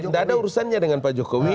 tidak ada urusannya dengan pak jokowi